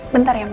bentar ya ma